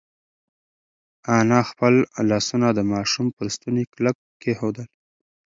انا خپل لاسونه د ماشوم پر ستوني کلک کېښودل.